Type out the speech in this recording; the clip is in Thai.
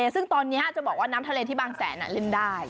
ซึ่งตอนนี้จะบอกว่าน้ำทะเลที่บางแสนเล่นได้